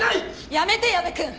やめて矢部くん！